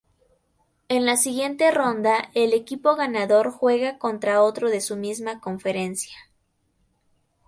En la siguiente ronda, el equipo ganador juega contra otro de su misma conferencia.